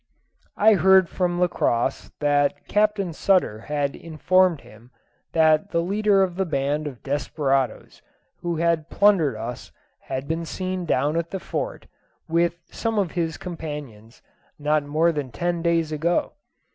I heard from Lacosse that Captain Sutter had informed him that the leader of the band of desperadoes who had plundered us had been seen down at the Fort with some of his companions not more than ten days ago.